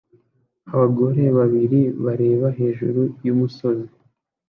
Abagore babiri bareba hejuru y'umusozi